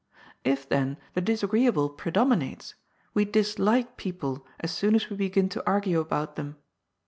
If, then, the disagreeable predominates, we dislike people as soon as we begin to argue about them.